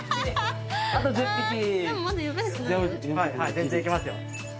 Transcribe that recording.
全然行けますよ。